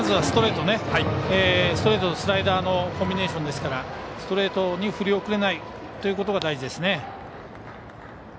ストレートとスライダーのコンビネーションですからストレートに振り遅れないということが大事ですね。